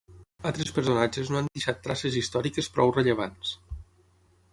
Altres personatges no han deixat traces històriques prou rellevants.